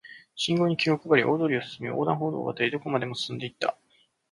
信号に気を配り、大通りを進み、横断歩道を渡り、どこまでも進んで行った